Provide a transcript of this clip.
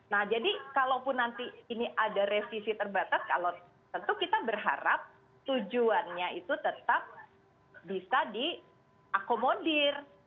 nah jadi kalaupun nanti ini ada revisi terbatas kalau tentu kita berharap tujuannya itu tetap bisa diakomodir